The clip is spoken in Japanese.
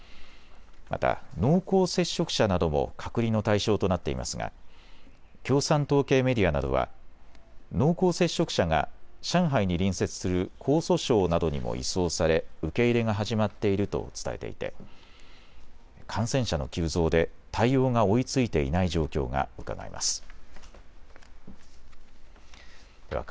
また、濃厚接触者なども隔離の対象となっていますが共産党系メディアなどは濃厚接触者が上海に隣接する江蘇省などにも移送され、受け入れが始まっていると伝えていて感染者の急増で対応が追いついていない状況がうかがえます。